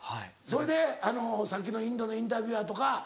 それであのさっきのインドのインタビュアーとか。